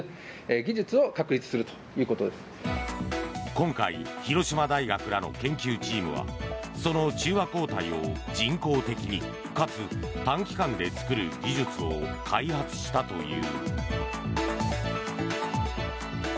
今回広島大学らの研究チームはその中和抗体を、人工的にかつ短期間で作る技術を開発したという。